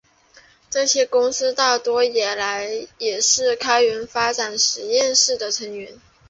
这些公司大多也是开源发展实验室的成员。